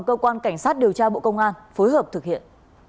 cơ quan cảnh sát điều tra bộ công an phối hợp thực hiện